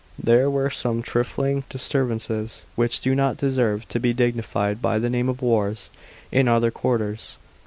There were some trifling disturbances, which do not deserve to be dignified by the name of wars, in other quarters.